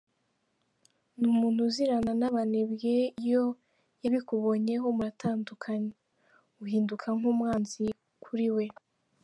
Ni umuntu uzirana n’abanebwe iyo yabikubonyeho muratandukana, uhinduka nk’umwanzi kuri we.